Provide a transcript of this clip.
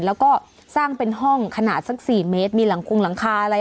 แล้วก็สร้างเป็นห้องขนาดสัก๔เมตรมีหลังคงหลังคาอะไร